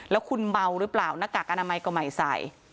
แล้วคุณเมาหรือเปล่าหน้ากากอนามัยก็ไม่ใส่